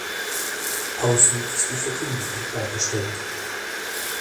Außen ist die Verkündigung dargestellt.